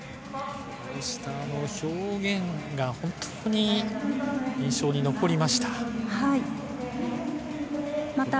表現が本当に印象に残りました。